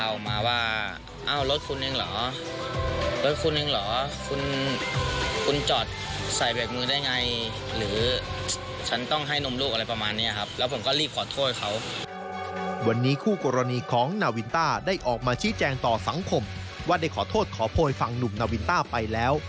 วันนี้คู่กรณีของนาวินต้าได้ออกมาชี้แจงต่อสังคมว่าได้ขอโทษขอโพยฝั่งหนุ่มนาวินต้าไปแล้ว